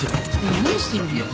何してるの？